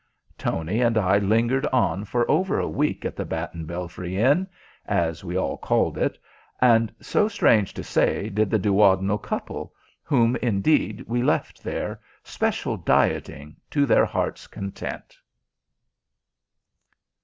Tony and I lingered on for over a week at the Bat and Belfry Inn, as we all called it, and so, strange to say, did the duodenal couple, whom, indeed, we left there, special dieting to their hearts' content.